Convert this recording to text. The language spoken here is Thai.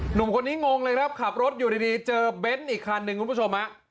หนุ่มคนนี้งงเลยครับขับรถอยู่ดีเจอเบ้นอีกคันหนึ่งคุณผู้ชมฮะ